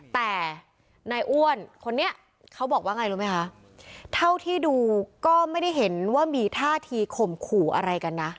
แต่นายอ้วนคนนี้เขาบอกว่าไงรู้ไหมคะเท่าที่ดูก็ไม่ได้เห็นว่ามีท่าทีข่มขู่อะไรกันนะ